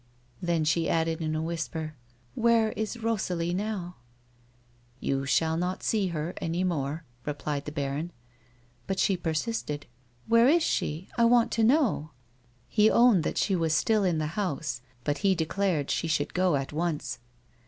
Then she added, in a whispei", " Where is Rosalie now ?" "You shall not see her any more," replied the baron. But she persisted ;" Where is she 1 I want to know." He owned that she was still in the house, but he declared she should go at once.